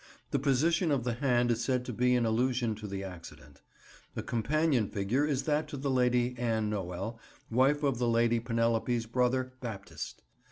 The position of the hand is said to be in allusion to the accident. A companion figure is that to the Lady Anne Noel, wife of the Lady Penelope's brother, Baptist.